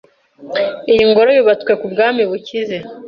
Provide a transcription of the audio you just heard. Iyi ngoro yubatswe kubwami bukize.